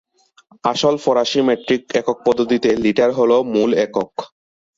আসল ফরাসী মেট্রিক একক পদ্ধতিতে লিটার হল মূল একক।